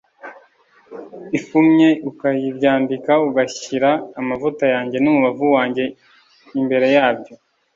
ifumye ukayibyambika ugashyira amavuta yanjye n umubavu wanjye f imbere yabyo